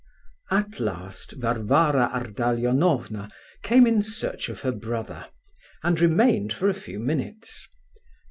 At last Varvara Ardalionovna came in search of her brother, and remained for a few minutes.